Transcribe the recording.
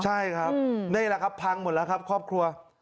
ใช่ครับนี่แหละครับพังหมดแล้วครับครอบครัว